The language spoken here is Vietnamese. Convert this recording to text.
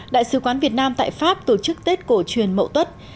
đại sứ quán việt nam tại pháp tổ chức tết cổ truyền mậu tuất